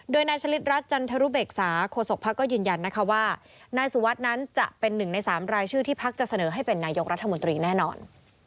โดยนายฉลิดรัฐจันทรุเบกษาโฆษกภักดิก็ยืนยันนะคะว่านายสุวัสดิ์นั้นจะเป็นหนึ่งในสามรายชื่อที่พักจะเสนอให้เป็นนายกรัฐมนตรีแน่นอน